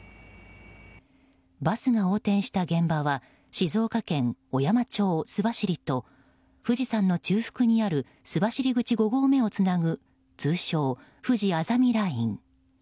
バスが横転した現場は静岡県小山町須走と富士山の中腹にある須走口５合目をつなぐ通称ふじあざみライン。